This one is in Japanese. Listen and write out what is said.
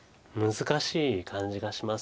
難しい感じがします。